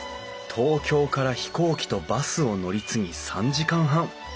東京から飛行機とバスを乗り継ぎ３時間半。